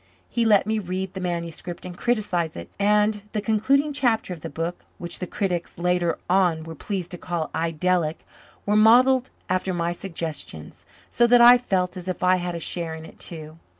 He let me read the manuscript and criticize it; and the concluding chapter of the book, which the critics later on were pleased to call idyllic, was modelled after my suggestions, so that I felt as if I had a share in it too.